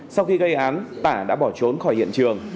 sau khi gây án tả đã bỏ trốn khỏi hiện trường